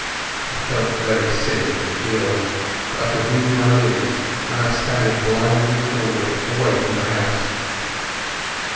I felt very sick and ill, but I could move my limbs, and I staggered blindly forward away from the house.